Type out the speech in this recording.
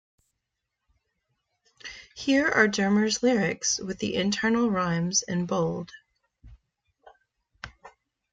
Here are Dearmer's lyrics, with the internal rhymes in bold.